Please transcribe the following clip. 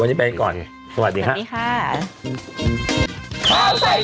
วันนี้ไปก่อนสวัสดีค่ะ